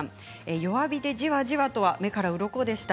弱火でジワジワとは目からうろこでした。